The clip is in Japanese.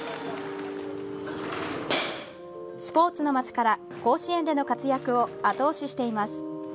「スポーツのまち」から甲子園での活躍を後押ししています。